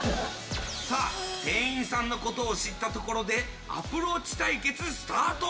さあ、店員さんのことを知ったところでアプローチ対決スタート。